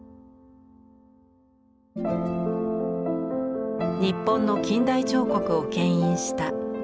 日本の近代彫刻をけん引した朝倉文夫。